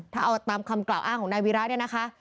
ถ้าเอาตามคำกล่าวอ้างของนายวีระเนี่ยนะคะ